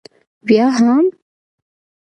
بیا هم؟